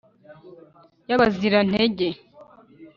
ya bazira-ntege